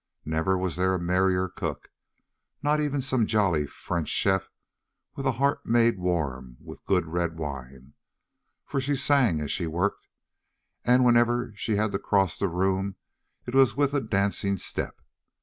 Never was there a merrier cook, not even some jolly French chef with a heart made warm with good red wine, for she sang as she worked, and whenever she had to cross the room it was with a dancing step.